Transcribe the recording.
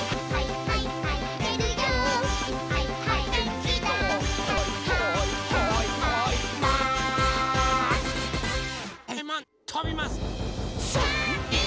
「はいはいはいはいマン」